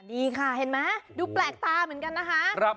ดีค่ะเห็นไหมดูแปลกตาเหมือนกันนะคะ